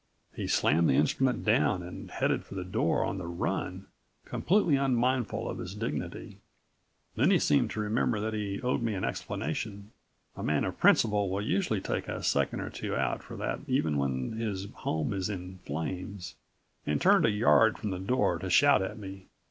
He slammed the instrument down and headed for the door on the run, completely unmindful of his dignity. Then he seemed to remember that he owed me an explanation a man of principle will usually take a second or two out for that even when his home is in flames and turned a yard from the door to shout at me.